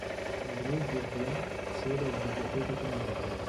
In Rue Bourgeois ha sede la biblioteca comunale.